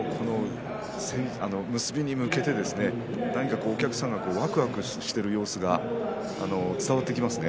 結びに向けてお客さんがわくわくしている様子が伝わってきますね。